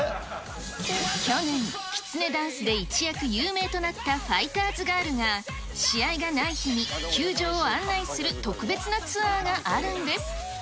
去年、キツネダンスで一躍有名となったファイターズガールが、試合がない日に球場を案内する特別なツアーがあるんです。